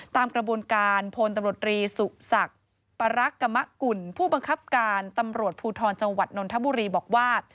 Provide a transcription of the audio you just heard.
ตามกระบวนการพลตำรวจรีสุศักดิ์ปรักกรรมกุลผู้บังคับการตำรวจภูทรจังหวัดนนทบุรีบอกว่า